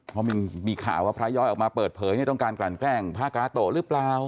เพราะมีข่าวว่าพระย้อยออกมาเปิดเผยต้องการกลั่นแกล้งพระกาโตะหรือเปล่า